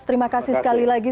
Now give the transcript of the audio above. terima kasih sekali lagi